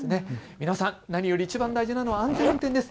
皆さん、何よりいちばん大事なのは安全運転です。